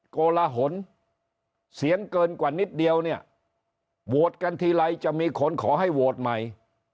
โกลหนเสียงเกินกว่านิดเดียวเนี่ยโหวตกันทีไรจะมีคนขอให้โหวตใหม่